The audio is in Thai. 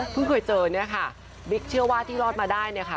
เพิ่งเคยเจอนะคะบิ๊กเชื่อว่าที่รอดมาได้นะคะ